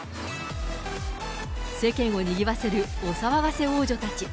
世間をにぎわせるお騒がせ王女たち。